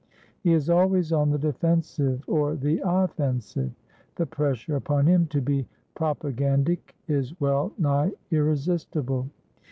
He is always on the defensive or the offensive. The pressure upon him to be propagandic is well nigh irresistible.